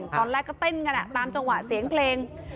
ตอนแรกก็เต้นกันตามจังหวะเสียงเพลง